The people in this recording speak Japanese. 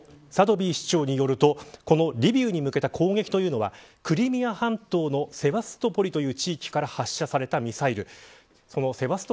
リビウのサドビー市長によるとこのリビウに向けた攻撃というのはクリミア半島のセバストポリという地域から発射されたミサイル。